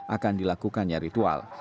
akan dilakukannya ritual